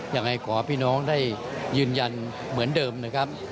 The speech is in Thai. ยังไงขอให้พี่น้องได้ยืนยันเหมือนเดิมนะครับ